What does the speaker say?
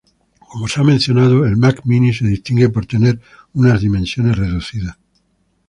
Como se ha mencionado, el Mac Mini se distingue por tener unas dimensiones reducidas.